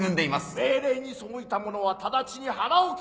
命令に背いた者は直ちに腹を斬れい！